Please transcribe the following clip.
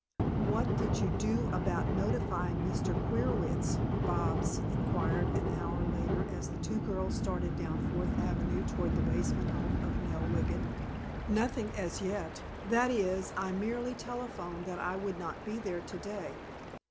"What did you do about notifying Mr. Queerwitz?" Bobs inquired an hour later as the two girls started down Fourth Avenue toward the basement home of Nell Wiggin. "Nothing as yet. That is, I merely telephoned that I would not be there today.